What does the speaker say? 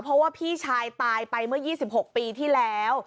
เพราะว่าพี่ชายตายไปเมื่อ๒๖ปีที่แล้ว